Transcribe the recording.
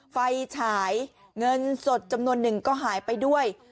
ไฟฉายเงินสดจำนวนหนึ่งก็หายไปด้วย